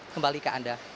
kembali ke anda